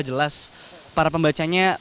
ke para pembaca sudah jelas